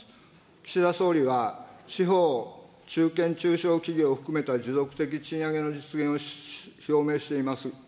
岸田総理は地方・中堅中小企業を含めた持続的賃上げの実現を表明しています。